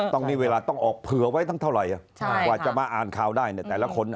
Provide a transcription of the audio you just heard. ตรงนี้เวลาต้องออกเผื่อไว้ตั้งเท่าไหร่กว่าจะมาอ่านข่าวได้เนี่ยแต่ละคน